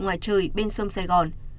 ngoài trời bên sông sài gòn